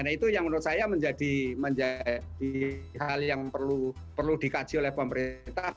nah itu yang menurut saya menjadi hal yang perlu dikaji oleh pemerintah